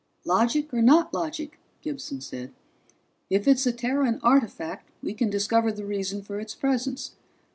"Logic or not logic," Gibson said. "If it's a Terran artifact, we can discover the reason for its presence.